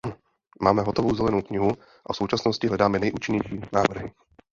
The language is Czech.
Máme hotovou zelenou knihu a v současnosti hledáme nejúčinnější návrhy.